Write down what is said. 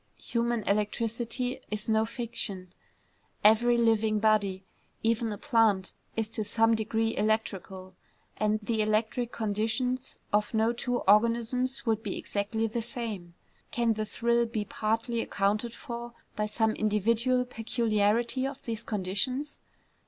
Human electricity is no fiction: every living body, even a plant, is to some degree electrical; and the electric conditions of no two organisms would be exactly the same. Can the thrill be partly accounted for by some individual peculiarity of these conditions?